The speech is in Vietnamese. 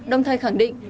đồng thời khẳng định